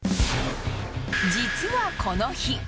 実はこの日。